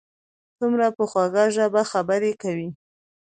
څومره په خوږه ژبه خبرې کوي.